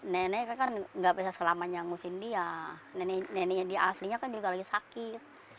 nenek kan nggak bisa selama nyangusin dia neneknya dia aslinya kan juga lagi sakit